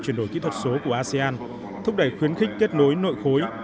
chuyển đổi kỹ thuật số của asean thúc đẩy khuyến khích kết nối nội khối